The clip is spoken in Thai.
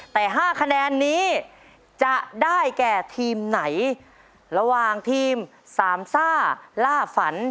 แต่๕คะแนนนี้จะได้แก่ทีมไหนระหว่างทีมสามซ่าล่าฝัน